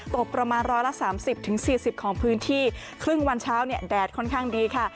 ตกประมาณร้อยละสามสิบถึงสี่สิบของพื้นที่ครึ่งวันเช้าเนี่ยแดดค่อนข้างดีค่ะ